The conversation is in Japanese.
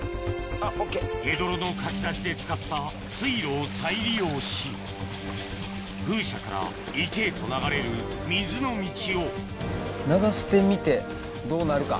ヘドロのかき出しで使った水路を再利用し風車から池へと流れる水の道を流してみてどうなるか？